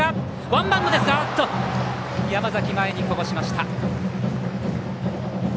ワンバウンド山崎、前にこぼしました。